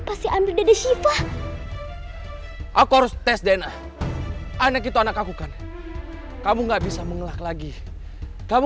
kasih amri dan syifa aku harus tes dna anak itu anak aku kan kamu nggak bisa mengelak lagi kamu